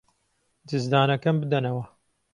جزدانەکەم بدەنەوە.